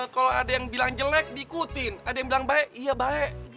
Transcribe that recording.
kalau ada yang bilang jelek diikutin ada yang bilang baik iya baik